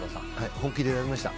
本気でやりました。